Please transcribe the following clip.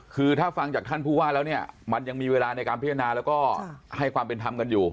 คือถ้าฟังจากท่านผู้ว่าแล้วเนี่ยมันยังมีเวลาในการพิจารณาแล้วก็ให้ความเป็นธรรมกันอยู่